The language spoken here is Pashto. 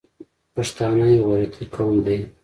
پښتانه یو غیرتي قوم دی.